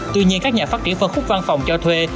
tuy nhiên các nhà phát triển phân khúc văn phòng cho thuê